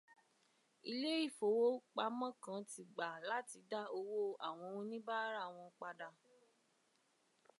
Ilé ìfowópamọ́ kan ti gbà láti dá owó àwọn oníbàráà wọ́n padà.